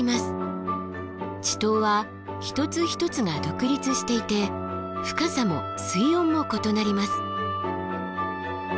池塘は一つ一つが独立していて深さも水温も異なります。